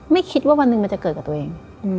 ไม่คิดว่าวันหนึ่งมันจะเกิดกับตัวเอง